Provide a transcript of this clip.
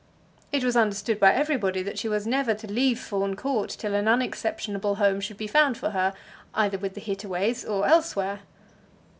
It was understood by everybody that she was never to leave Fawn Court till an unexceptionable home should be found for her, either with the Hittaways or elsewhere.